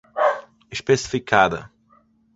especificada